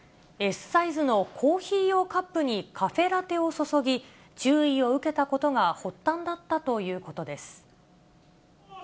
Ｓサイズのコーヒー用カップにカフェラテを注ぎ、注意を受けたことが発端だったということです。